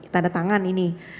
tanda tangan ini